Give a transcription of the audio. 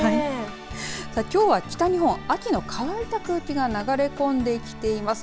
きょうは北日本、秋の乾いた空気が流れ込んできています。